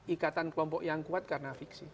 ikatan kelompok yang kuat karena fiksi